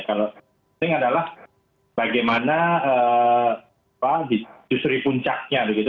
kalau yang penting adalah bagaimana apa disusuri puncaknya begitu